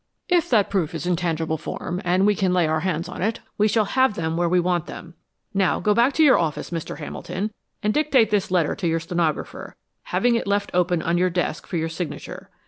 If that proof is in tangible form, and we can lay our hands on it, we shall have them where we want them. Now go back to your office, Mr. Hamilton, and dictate this letter to your stenographer, having it left open on your desk for your signature.